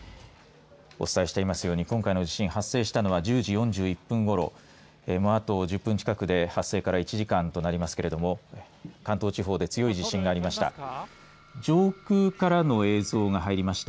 お伝えしていますように今回の地震発生したのは１０時４１分ごろあと１０分近くで発生から１時間となりますけれども関東地方で強い地震がありました。